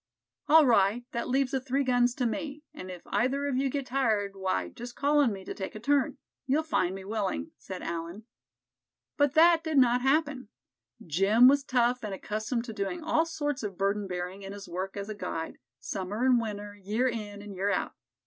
"All right, that leaves the three guns to me; and if either of you get tired, why, just call on me to take a turn. You'll find me willing," said Allan. But that did not happen. Jim was tough, and accustomed to doing all sorts of burden bearing in his work as a guide, summer and winter, year in and year out.